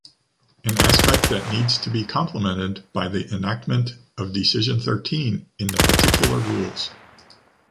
An aspect that needs to be complemented by the enactment of decision thirteen in the particular rules.